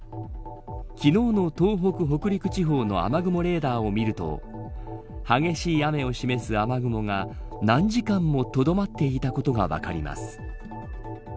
昨日の東北、北陸地方の雨雲レーダーを見ると激しい雨を示す雨雲が何時間もとどまっていたことが分かります。